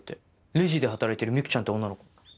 レジで働いてるミクちゃんって女の子。